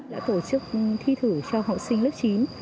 đã tổ chức thi thử cho học sinh lớp chín